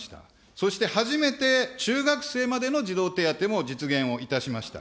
そして初めて中学生までの児童手当も実現をいたしました。